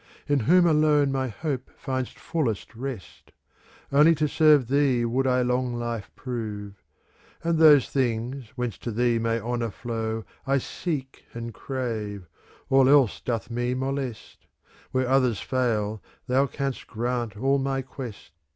In whom alone my hope finds fullest rest : Only to serve thee would I long life prove. And those things, whence to thee may honour flow, I seek and crave ; all else doth me molest ;^^ Where others fail, thou canst grant all my quest.